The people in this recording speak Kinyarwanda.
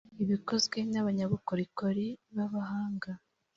Ibikozwe n’abanyabukorikori b’abahanga,